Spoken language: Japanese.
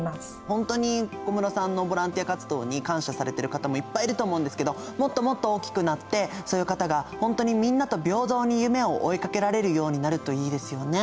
ほんとに小室さんのボランティア活動に感謝されている方もいっぱいいると思うんですけどもっともっと大きくなってそういう方がほんとにみんなと平等に夢を追いかけられるようになるといいですよね。